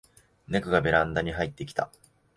ネコがベランダに入ってきた